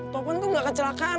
topan tuh gak kecelakaan